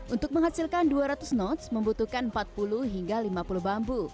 untuk menghasilkan dua ratus notes membutuhkan empat puluh hingga lima puluh bambu